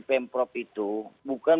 pemprov itu bukan